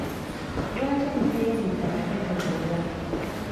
Lwaki emmere ey'omu ttaka tekozebwa?